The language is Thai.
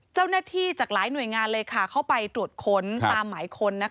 เจ้าหน้าที่จากหลายหน่วยงานเลยเข้าไปตรวจค้นตามหมายค้น